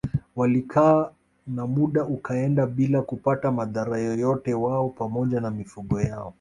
Walikaa na muda ukaenda bila kupata madhara yoyote wao pamoja na mifugo yao